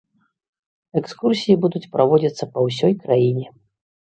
Экскурсіі будуць праводзіцца па ўсёй краіне.